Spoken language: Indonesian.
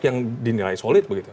yang dinilai solid